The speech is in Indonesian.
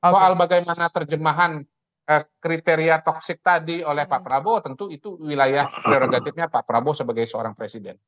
soal bagaimana terjemahan kriteria toksik tadi oleh pak prabowo tentu itu wilayah prerogatifnya pak prabowo sebagai seorang presiden